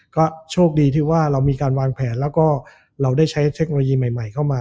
ก็โชคดีที่ว่าเรามีการวางแผนแล้วก็เราได้ใช้เทคโนโลยีใหม่เข้ามา